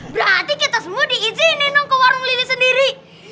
berarti kita semua diizinin ke warung ini sendiri